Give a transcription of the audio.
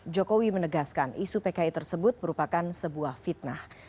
jokowi menegaskan isu pki tersebut merupakan sebuah fitnah